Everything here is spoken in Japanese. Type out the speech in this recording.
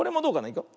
いくよ。